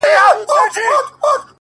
o سوچه کاپیر وم چي راتلم تر میخانې پوري؛